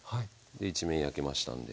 で一面焼けましたんで。